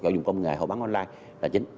dùng công nghệ họ bán online